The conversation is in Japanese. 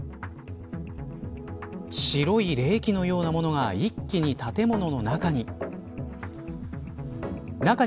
白い冷気のようなものが一気に建物の中に。